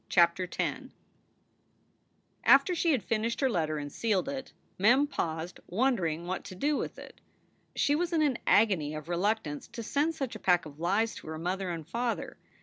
CHAPTER X AFTER she had finished her letter and sealed it, Mem paused, wondering what to do with it. She was in an agony of reluctance to send such a pack of lies to her mother and father.